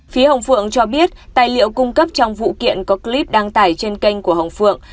phía hồng phượng cho biết tài liệu cung cấp trong vụ kiện có clip đăng tải trên kênh của hồng phượng